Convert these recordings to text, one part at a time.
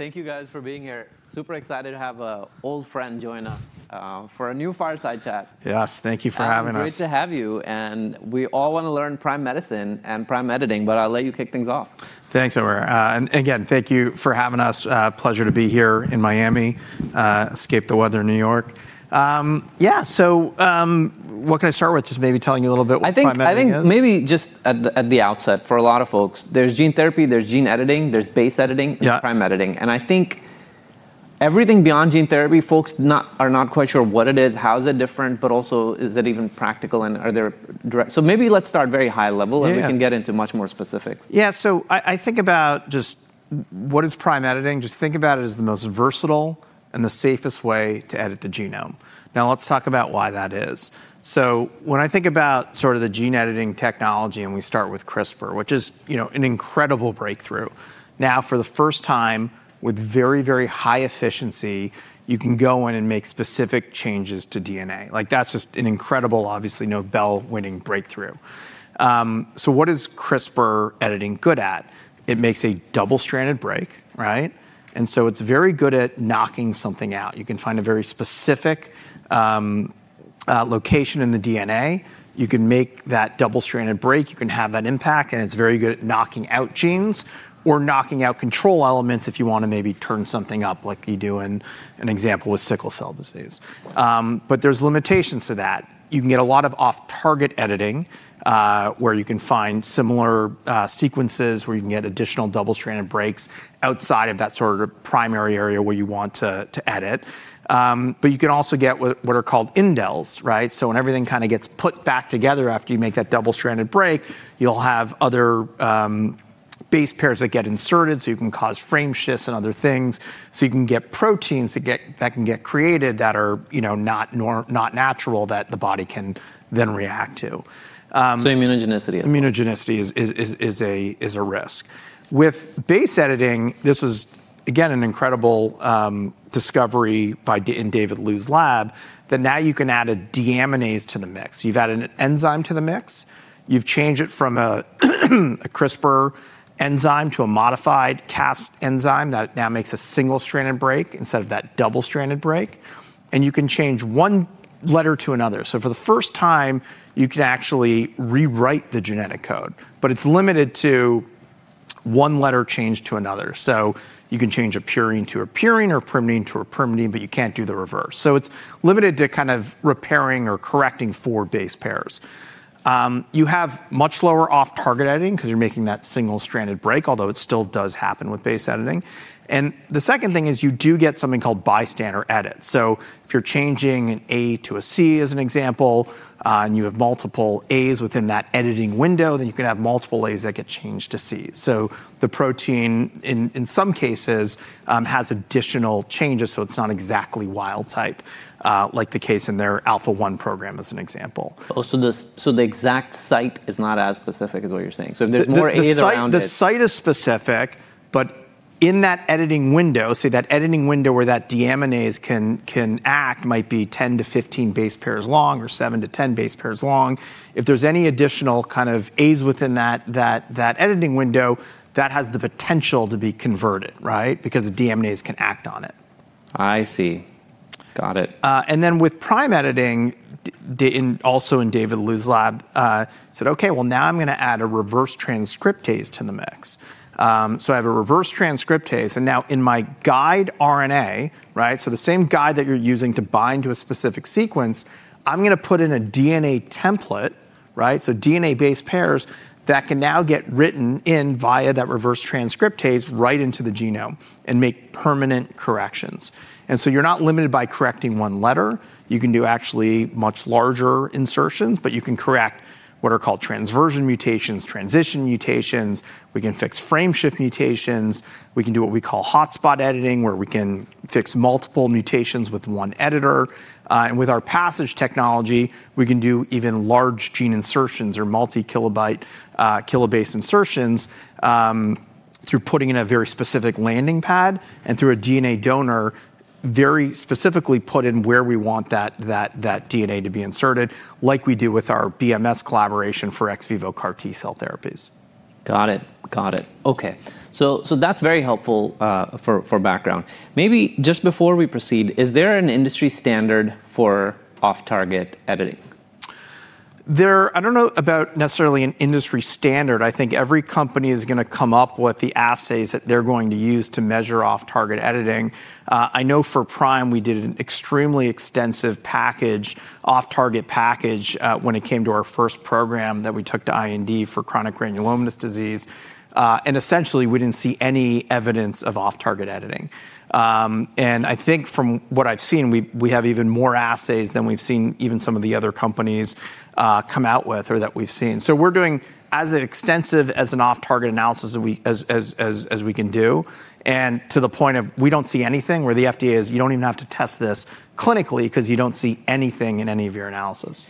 Thank you guys for being here. Super excited to have an old friend join us for a new fireside chat. Yes, thank you for having us. It's great to have you. We all want to learn prime medicine and prime editing, but I'll let you kick things off. Thanks, Emmer. Again, thank you for having us. Pleasure to be here in Miami, escape the weather in New York. Yeah, what can I start with? Just maybe telling you a little bit about prime editing. I think maybe just at the outset, for a lot of folks, there's gene therapy, there's gene editing, there's base editing, there's prime editing. I think everything beyond gene therapy, folks are not quite sure what it is, how is it different, but also, is it even practical, and are there direct? Maybe let's start very high level, and we can get into much more specifics. Yeah, so I think about just what is prime editing. Just think about it as the most versatile and the safest way to edit the genome. Now, let's talk about why that is. When I think about sort of the gene editing technology, and we start with CRISPR, which is an incredible breakthrough. Now, for the first time, with very, very high efficiency, you can go in and make specific changes to DNA. Like, that's just an incredible, obviously, Nobel-winning breakthrough. What is CRISPR editing good at? It makes a double-stranded break, right? It is very good at knocking something out. You can find a very specific location in the DNA. You can make that double-stranded break. You can have that impact, and it's very good at knocking out genes or knocking out control elements if you want to maybe turn something up, like you do in an example with sickle cell disease. There are limitations to that. You can get a lot of off-target editing, where you can find similar sequences, where you can get additional double-stranded breaks outside of that sort of primary area where you want to edit. You can also get what are called indels, right? When everything kind of gets put back together after you make that double-stranded break, you'll have other base pairs that get inserted, so you can cause frame shifts and other things. You can get proteins that can get created that are not natural that the body can then react to. Immunogenicity is. Immunogenicity is a risk. With base editing, this was, again, an incredible discovery in David Liu's lab, that now you can add a deaminase to the mix. You've added an enzyme to the mix. You've changed it from a CRISPR enzyme to a modified Cas enzyme that now makes a single-stranded break instead of that double-stranded break. You can change one letter to another. For the first time, you can actually rewrite the genetic code. It is limited to one letter changed to another. You can change a purine to a purine or a pyrimidine to a pyrimidine, but you can't do the reverse. It is limited to kind of repairing or correcting four base pairs. You have much lower off-target editing because you're making that single-stranded break, although it still does happen with base editing. The second thing is you do get something called bystander edits. If you're changing an A to a C, as an example, and you have multiple A's within that editing window, then you can have multiple A's that get changed to C's. The protein, in some cases, has additional changes, so it's not exactly wild type, like the case in their Alpha-1 program, as an example. The exact site is not as specific as what you're saying. If there's more A's around it. The site is specific, but in that editing window, see, that editing window where that deaminase can act might be 10-15 base pairs long or 7-10 base pairs long. If there's any additional kind of A's within that editing window, that has the potential to be converted, right? Because the deaminase can act on it. I see. Got it. With prime editing, also in David Liu's lab, said, "Okay, now I'm going to add a reverse transcriptase to the mix." I have a reverse transcriptase. Now in my guide RNA, right, the same guide that you're using to bind to a specific sequence, I'm going to put in a DNA template, right? DNA base pairs that can now get written in via that reverse transcriptase right into the genome and make permanent corrections. You're not limited by correcting one letter. You can do actually much larger insertions, but you can correct what are called transversion mutations, transition mutations. We can fix frame shift mutations. We can do what we call hotspot editing, where we can fix multiple mutations with one editor. With our PASSIGE technology, we can do even large gene insertions or multi-kilobase insertions through putting in a very specific landing pad and through a DNA donor very specifically put in where we want that DNA to be inserted, like we do with our BMS collaboration for ex vivo CAR T cell therapies. Got it. Got it. Okay. That is very helpful for background. Maybe just before we proceed, is there an industry standard for off-target editing? I don't know about necessarily an industry standard. I think every company is going to come up with the assays that they're going to use to measure off-target editing. I know for Prime, we did an extremely extensive off-target package when it came to our first program that we took to IND for chronic granulomatous disease. Essentially, we didn't see any evidence of off-target editing. I think from what I've seen, we have even more assays than we've seen even some of the other companies come out with or that we've seen. We are doing as extensive as an off-target analysis as we can do. To the point of we don't see anything where the FDA is, "You don't even have to test this clinically because you don't see anything in any of your analysis.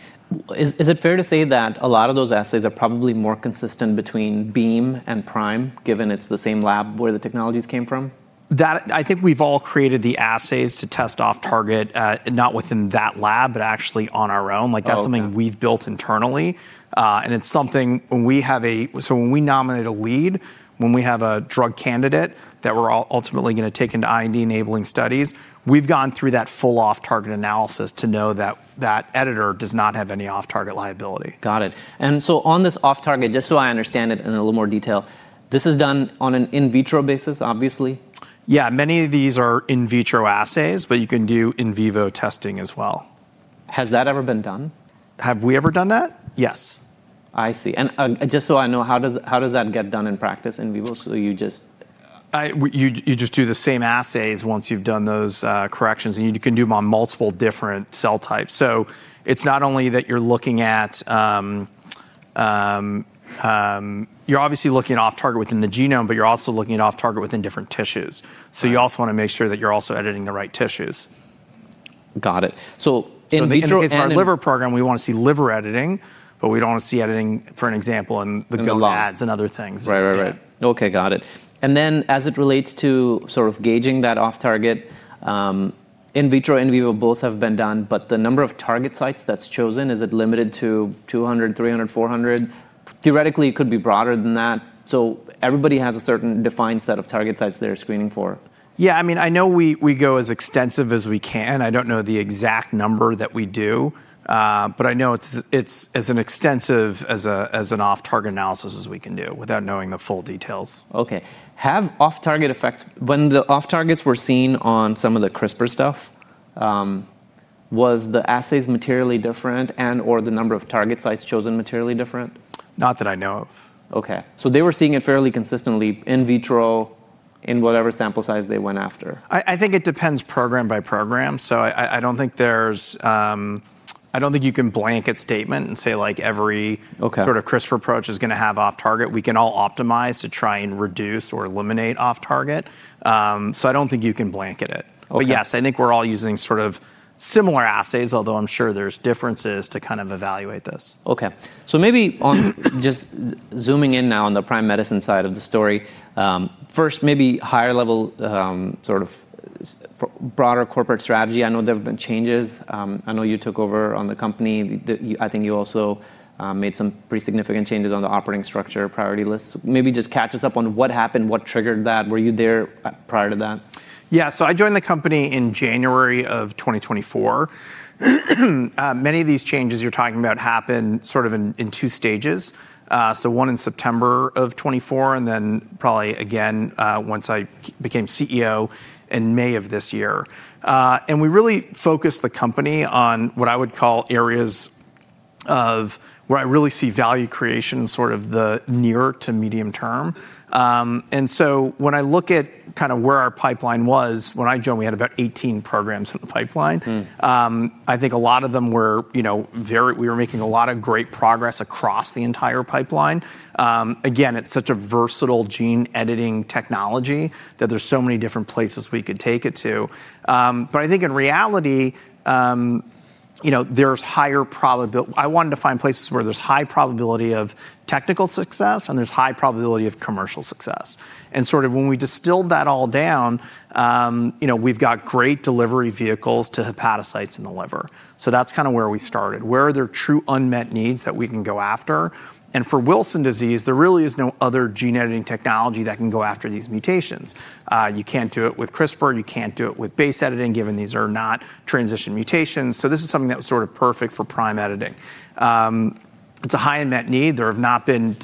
Is it fair to say that a lot of those assays are probably more consistent between Beam and Prime, given it's the same lab where the technologies came from? I think we've all created the assays to test off-target, not within that lab, but actually on our own. Like, that's something we've built internally. It's something when we have a, so when we nominate a lead, when we have a drug candidate that we're ultimately going to take into IND enabling studies, we've gone through that full off-target analysis to know that that editor does not have any off-target liability. Got it. And so on this off-target, just so I understand it in a little more detail, this is done on an in vitro basis, obviously? Yeah, many of these are in vitro assays, but you can do in vivo testing as well. Has that ever been done? Have we ever done that? Yes. I see. Just so I know, how does that get done in practice in vivo? You just. You just do the same assays once you've done those corrections, and you can do them on multiple different cell types. It is not only that you're looking at, you're obviously looking at off-target within the genome, but you're also looking at off-target within different tissues. You also want to make sure that you're also editing the right tissues. Got it. In vitro. In our liver program, we want to see liver editing, but we do not want to see editing, for an example, in the gallbladders and other things. Right, right, right. Okay, got it. As it relates to sort of gauging that off-target, in vitro and in vivo both have been done, but the number of target sites that's chosen, is it limited to 200, 300, 400? Theoretically, it could be broader than that. Everybody has a certain defined set of target sites they're screening for. Yeah, I mean, I know we go as extensive as we can. I don't know the exact number that we do, but I know it's as extensive as an off-target analysis as we can do without knowing the full details. Okay. Have off-target effects when the off-targets were seen on some of the CRISPR stuff, was the assays materially different and/or the number of target sites chosen materially different? Not that I know of. Okay. They were seeing it fairly consistently in vitro in whatever sample size they went after. I think it depends program by program. I don't think you can blanket statement and say, like, every sort of CRISPR approach is going to have off-target. We can all optimize to try and reduce or eliminate off-target. I don't think you can blanket it. Yes, I think we're all using sort of similar assays, although I'm sure there's differences to kind of evaluate this. Okay. Maybe just zooming in now on the Prime Medicine side of the story, first, maybe higher level sort of broader corporate strategy. I know there have been changes. I know you took over on the company. I think you also made some pretty significant changes on the operating structure priority list. Maybe just catch us up on what happened, what triggered that. Were you there prior to that? Yeah, so I joined the company in January of 2024. Many of these changes you're talking about happened sort of in two stages. One in September of 2024, and then probably again once I became CEO in May of this year. We really focused the company on what I would call areas where I really see value creation sort of the near to medium term. When I look at kind of where our pipeline was, when I joined, we had about 18 programs in the pipeline. I think a lot of them were we were making a lot of great progress across the entire pipeline. Again, it's such a versatile gene editing technology that there's so many different places we could take it to. I think in reality, there's higher probability. I wanted to find places where there's high probability of technical success, and there's high probability of commercial success. When we distilled that all down, we've got great delivery vehicles to hepatocytes in the liver. That is kind of where we started. Where are there true unmet needs that we can go after? For Wilson disease, there really is no other gene editing technology that can go after these mutations. You can't do it with CRISPR. You can't do it with base editing, given these are not transition mutations. This is something that was sort of perfect for prime editing. It's a high unmet need. There have not been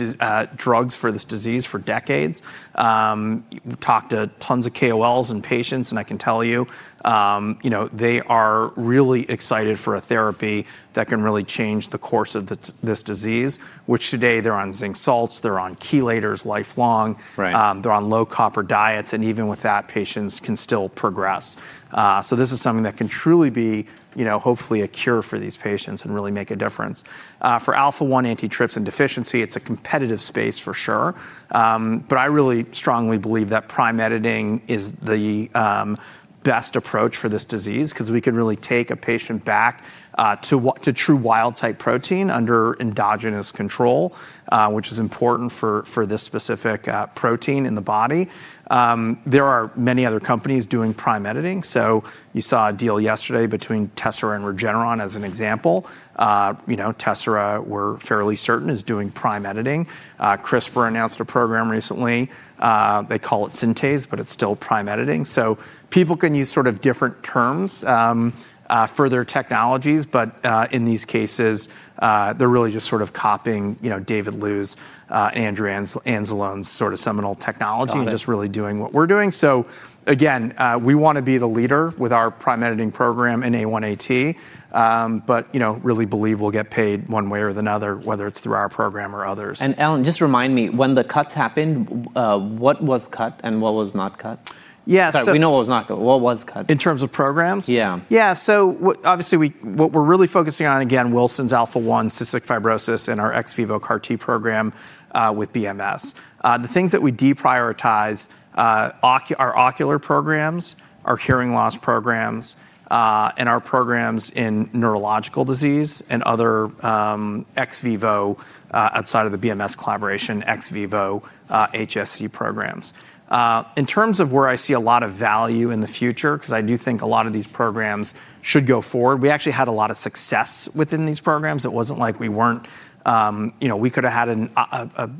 drugs for this disease for decades. We talked to tons of KOLs and patients, and I can tell you they are really excited for a therapy that can really change the course of this disease, which today they're on zinc salts, they're on chelators lifelong, they're on low copper diets, and even with that, patients can still progress. This is something that can truly be hopefully a cure for these patients and really make a difference. For alpha-1 antitrypsin deficiency, it's a competitive space for sure. I really strongly believe that prime editing is the best approach for this disease because we can really take a patient back to true wild type protein under endogenous control, which is important for this specific protein in the body. There are many other companies doing prime editing. You saw a deal yesterday between Tessera and Regeneron as an example. Tessera, we're fairly certain, is doing prime editing. CRISPR announced a program recently. They call it Synthase, but it's still prime editing. People can use sort of different terms for their technologies, but in these cases, they're really just sort of copying David Liu's and Andrew Anzalone's sort of seminal technology and just really doing what we're doing. We want to be the leader with our prime editing program in A1AT, but really believe we'll get paid one way or another, whether it's through our program or others. Allan, just remind me, when the cuts happened, what was cut and what was not cut? Yeah. We know what was not cut. What was cut? In terms of programs? Yeah. Yeah. Obviously, what we're really focusing on, again, Wilson's, alpha-1, cystic fibrosis, and our ex vivo CAR T program with BMS. The things that we deprioritize are ocular programs, our hearing loss programs, and our programs in neurological disease and other ex vivo outside of the BMS collaboration, ex vivo HSC programs. In terms of where I see a lot of value in the future, because I do think a lot of these programs should go forward, we actually had a lot of success within these programs. It wasn't like we weren't—we could have had a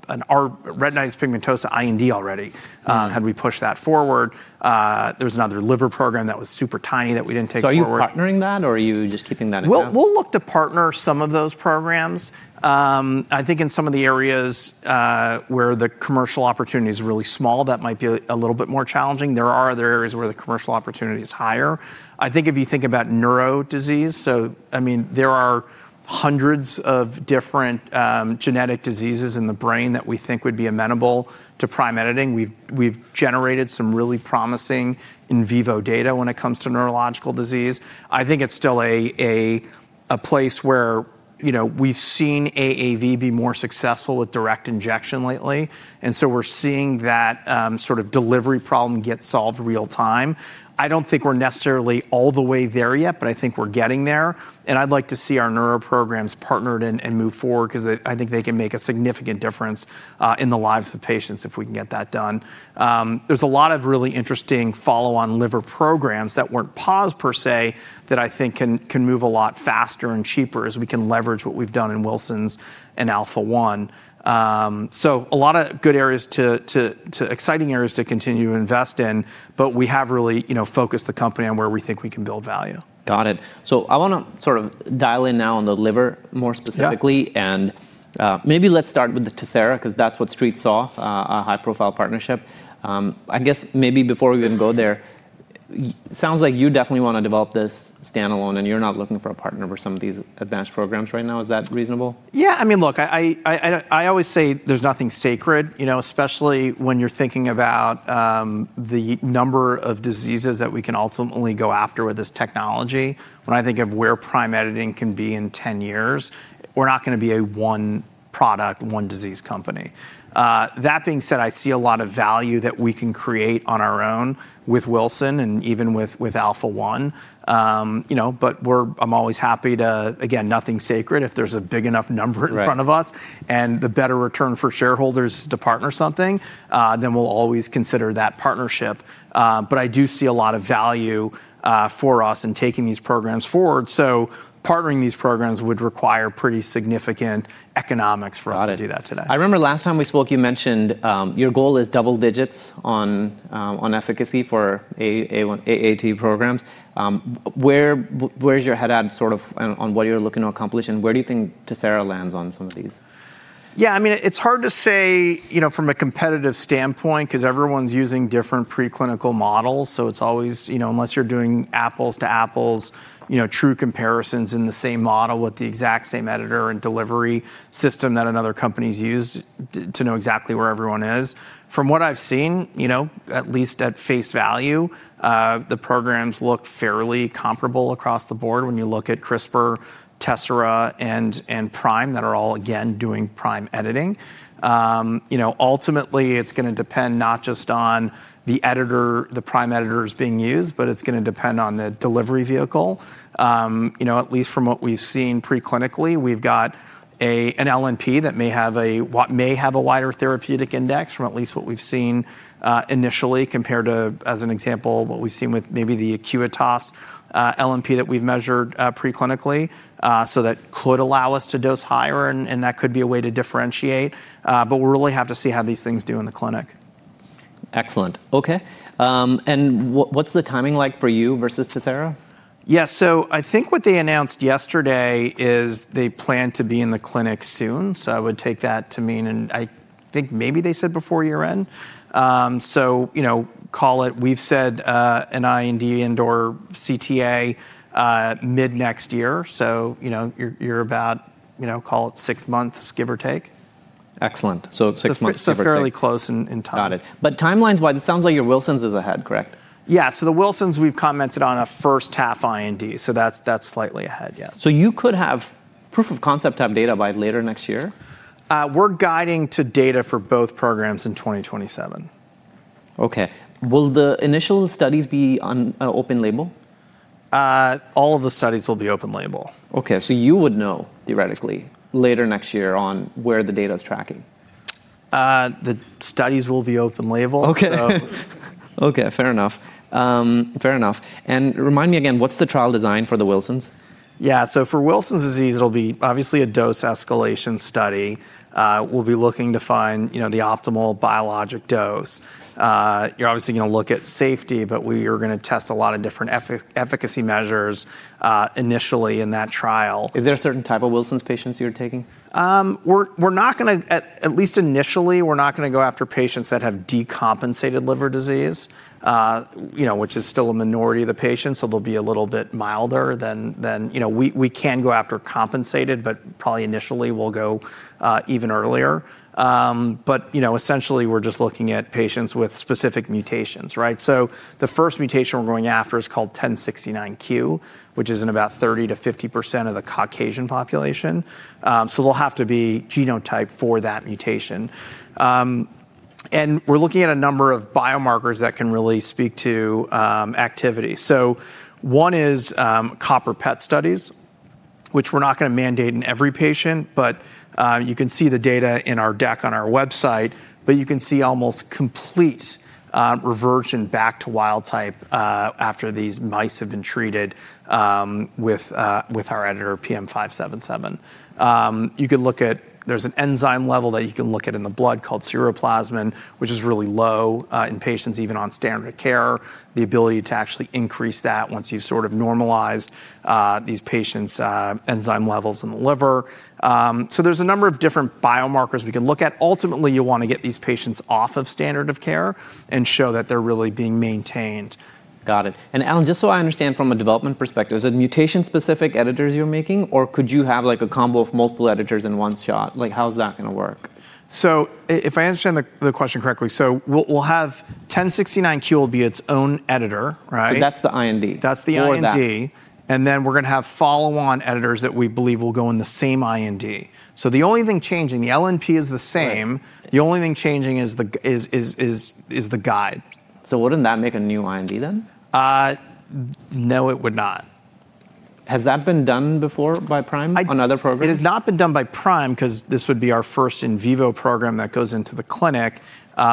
retinitis pigmentosa IND already had we pushed that forward. There was another liver program that was super tiny that we didn't take forward. Are you partnering that, or are you just keeping that in place? We'll look to partner some of those programs. I think in some of the areas where the commercial opportunity is really small, that might be a little bit more challenging. There are other areas where the commercial opportunity is higher. I think if you think about neuro disease, I mean, there are hundreds of different genetic diseases in the brain that we think would be amenable to prime editing. We've generated some really promising in vivo data when it comes to neurological disease. I think it's still a place where we've seen AAV be more successful with direct injection lately. We're seeing that sort of delivery problem get solved real time. I don't think we're necessarily all the way there yet, but I think we're getting there. I would like to see our neuro programs partnered and move forward because I think they can make a significant difference in the lives of patients if we can get that done. There are a lot of really interesting follow-on liver programs that were not paused per se that I think can move a lot faster and cheaper as we can leverage what we have done in Wilson disease and alpha-1. There are a lot of good areas, exciting areas to continue to invest in, but we have really focused the company on where we think we can build value. Got it. I want to sort of dial in now on the liver more specifically. Maybe let's start with Tessera because that's what Street saw, a high-profile partnership. I guess maybe before we even go there, it sounds like you definitely want to develop this standalone, and you're not looking for a partner for some of these advanced programs right now. Is that reasonable? Yeah. I mean, look, I always say there's nothing sacred, especially when you're thinking about the number of diseases that we can ultimately go after with this technology. When I think of where prime editing can be in 10 years, we're not going to be a one product, one disease company. That being said, I see a lot of value that we can create on our own with Wilson and even with alpha-1. I am always happy to, again, nothing sacred if there's a big enough number in front of us and the better return for shareholders to partner something, then we'll always consider that partnership. I do see a lot of value for us in taking these programs forward. Partnering these programs would require pretty significant economics for us to do that today. I remember last time we spoke, you mentioned your goal is double digits on efficacy for AAT programs. Where's your head at sort of on what you're looking to accomplish, and where do you think Tessera lands on some of these? Yeah, I mean, it's hard to say from a competitive standpoint because everyone's using different preclinical models. So it's always, unless you're doing apples to apples, true comparisons in the same model with the exact same editor and delivery system that another company's used to know exactly where everyone is. From what I've seen, at least at face value, the programs look fairly comparable across the board when you look at CRISPR, Tessera, and Prime that are all, again, doing prime editing. Ultimately, it's going to depend not just on the prime editor being used, but it's going to depend on the delivery vehicle. At least from what we've seen preclinically, we've got an LNP that may have a wider therapeutic index from at least what we've seen initially compared to, as an example, what we've seen with maybe the Acuitas LNP that we've measured preclinically. That could allow us to dose higher, and that could be a way to differentiate. But we'll really have to see how these things do in the clinic. Excellent. Okay. What is the timing like for you versus Tessera? Yeah, so I think what they announced yesterday is they plan to be in the clinic soon. I would take that to mean, and I think maybe they said before year-end. Call it, we've said an IND or CTA mid next year. So you're about, call it six months, give or take. Excellent. Six months separate. Fairly close in time. Got it. Timelines-wise, it sounds like your Wilson disease is ahead, correct? Yeah. So the Wilson's, we've commented on a first half IND. So that's slightly ahead, yes. You could have proof of concept type data by later next year? We're guiding to data for both programs in 2027. Okay. Will the initial studies be on open label? All of the studies will be open label. Okay. You would know theoretically later next year on where the data is tracking? The studies will be open label. Okay. Okay. Fair enough. Fair enough. Remind me again, what's the trial design for the Wilson's? Yeah. For Wilson disease, it'll be obviously a dose escalation study. We'll be looking to find the optimal biologic dose. You're obviously going to look at safety, but we are going to test a lot of different efficacy measures initially in that trial. Is there a certain type of Wilson disease patients you're taking? We're not going to, at least initially, we're not going to go after patients that have decompensated liver disease, which is still a minority of the patients. They'll be a little bit milder than we can go after compensated, but probably initially we'll go even earlier. Essentially, we're just looking at patients with specific mutations, right? The first mutation we're going after is called 1069Q, which is in about 30-50% of the Caucasian population. They'll have to be genotype for that mutation. We're looking at a number of biomarkers that can really speak to activity. One is copper PET studies, which we're not going to mandate in every patient, but you can see the data in our deck on our website. You can see almost complete reversion back to wild type after these mice have been treated with our editor PM577. You can look at, there's an enzyme level that you can look at in the blood called ceruloplasmin, which is really low in patients even on standard of care, the ability to actually increase that once you've sort of normalized these patients' enzyme levels in the liver. There are a number of different biomarkers we can look at. Ultimately, you want to get these patients off of standard of care and show that they're really being maintained. Got it. Allan, just so I understand from a development perspective, is it mutation-specific editors you're making, or could you have a combo of multiple editors in one shot? How's that going to work? If I understand the question correctly, we'll have 1069Q will be its own editor, right? That's the IND. That's the IND. We are going to have follow-on editors that we believe will go in the same IND. The only thing changing, the LNP is the same. The only thing changing is the guide. Wouldn't that make a new IND then? No, it would not. Has that been done before by Prime on other programs? It has not been done by Prime because this would be our first in vivo program that goes into the clinic. We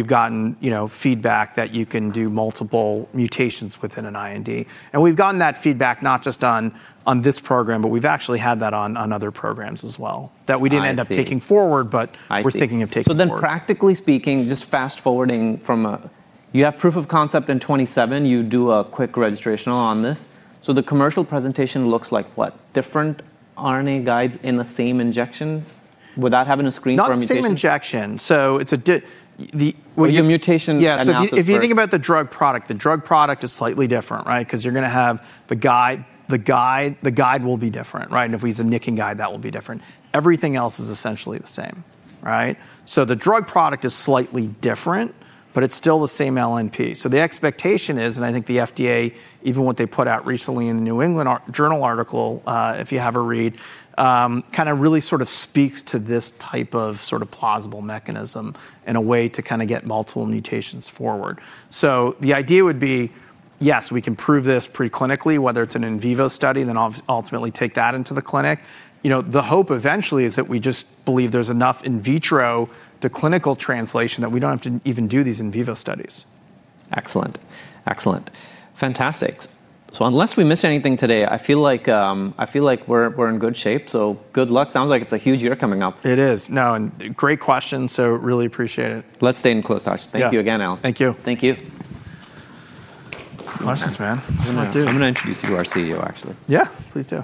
have gotten feedback that you can do multiple mutations within an IND. We have gotten that feedback not just on this program, but we have actually had that on other programs as well that we did not end up taking forward, but we are thinking of taking forward. Then practically speaking, just fast forwarding from a, you have proof of concept in 2027, you do a quick registrational on this. The commercial presentation looks like what? Different RNA guides in the same injection without having a screen from a mutation? Not the same injection. It's a. Your mutation analysis. Yeah. If you think about the drug product, the drug product is slightly different, right? Because you're going to have the guide, the guide will be different, right? If we use a nicking guide, that will be different. Everything else is essentially the same, right? The drug product is slightly different, but it's still the same LNP. The expectation is, and I think the FDA, even what they put out recently in the New England Journal article, if you have a read, kind of really sort of speaks to this type of sort of plausible mechanism and a way to kind of get multiple mutations forward. The idea would be, yes, we can prove this preclinically, whether it's an in vivo study, then ultimately take that into the clinic. The hope eventually is that we just believe there's enough in vitro, the clinical translation that we don't have to even do these in vivo studies. Excellent. Excellent. Fantastic. Unless we missed anything today, I feel like we're in good shape. Good luck. Sounds like it's a huge year coming up. It is. No, great questions. Really appreciate it. Let's stay in close, Josh. Thank you again, Allan. Thank you. Thank you. Questions, man. I'm going to introduce you to our CEO, actually. Yeah. Please do.